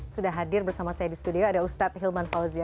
sudah hadir bersama saya di studio ada ustadz hilman fauzia